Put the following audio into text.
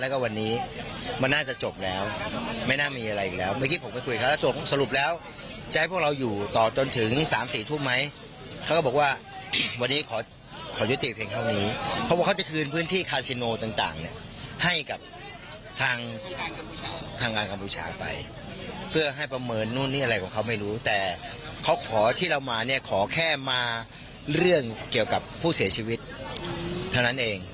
ขอที่เรามาเนี่ยขอแค่มาเรื่องเกี่ยวกับผู้เสียชีวิตเท่านั้นเอง